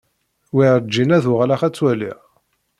Werǧin ad uɣaleɣ ad ttwaliɣ.